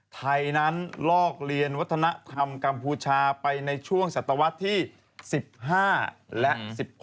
ไทยนั้นลอกเรียนวัฒนธรรมกัมพูชาไปในช่วงศตวรรษที่๑๕และ๑๖